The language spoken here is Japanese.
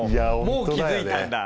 もう気付いたんだ。